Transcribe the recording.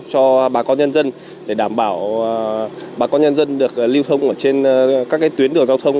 cho bà con nhân dân để đảm bảo bà con nhân dân được lưu thông trên các tuyến đường giao thông